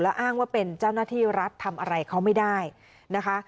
อ้างว่าเป็นเจ้าหน้าที่รัฐทำอะไรเขาไม่ได้นะคะ